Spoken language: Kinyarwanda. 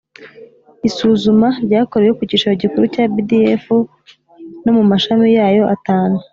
isuzuma ryakorewe ku cyicaro gikuru cya bdf no mu mashami yayo atanu